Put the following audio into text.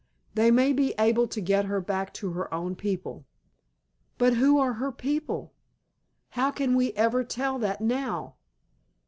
They may be able to get her back to her own people." "But who are her people? How can we ever tell that now?